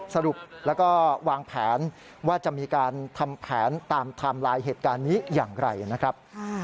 สรุปแล้วก็วางแผนว่าจะมีการทำแผนตามไทม์ไลน์เหตุการณ์นี้อย่างไรนะครับ